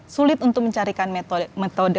sulit untuk mencarikan metode